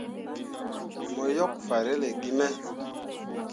Mo yok farelle gi me.